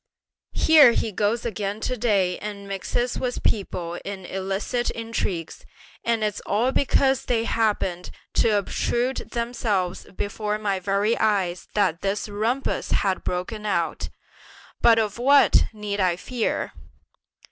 Here he goes again to day and mixes with people in illicit intrigues; and it's all because they happened to obtrude themselves before my very eyes that this rumpus has broken out; but of what need I fear?"